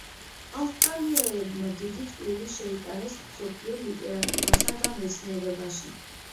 ავსტრიელებმა დიდი წვლილი შეიტანეს მსოფლიო ლიტერატურასა და მეცნიერებაში.